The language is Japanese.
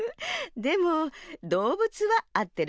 でもどうぶつはあってるかもね。